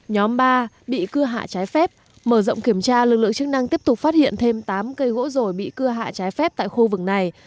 nhóm ba bị cưa hạ trái phép mở rộng kiểm tra lực lượng chức năng tiếp tục phát hiện thêm tám cây gỗ rồi bị cưa hạ trái phép tại khu vực này